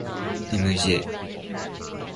M. J.